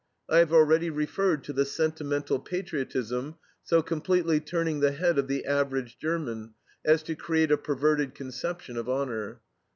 I have already referred to the sentimental patriotism so completely turning the head of the average German as to create a perverted conception of honor.